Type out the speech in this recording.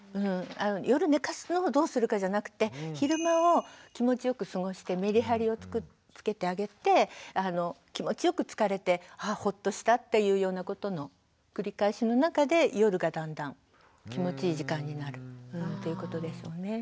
夜寝かすのをどうするかじゃなくて昼間を気持ちよく過ごしてメリハリをつけてあげて気持ちよく疲れてああほっとしたっていうようなことの繰り返しの中で夜がだんだん気持ちいい時間になるということですよね。